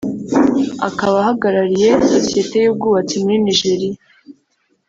akaba ahagarariye societe y’ubwubatsi muri Nigeria